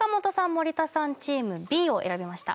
森田さんチームＢを選びました